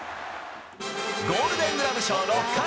ゴールデングラブ賞６回。